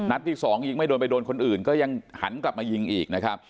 ที่สองยิงไม่โดนไปโดนคนอื่นก็ยังหันกลับมายิงอีกนะครับ